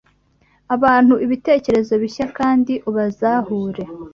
abantu ibitekerezo bishya kandi ubazahure.